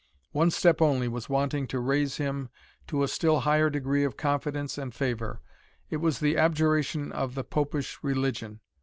One step only was wanting to raise him to a still higher degree of confidence and favour it was the abjuration of the Popish religion.